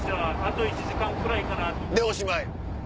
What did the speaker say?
でおしまい。